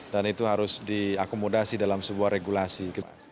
dan itu harus diakomodasi dalam sebuah regulasi